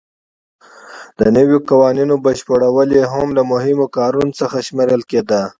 د نویو قوانینو بشپړول یې هم له مهمو کارونو څخه شمېرل کېده.